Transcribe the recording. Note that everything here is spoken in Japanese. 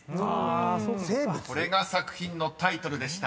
［これが作品のタイトルでした］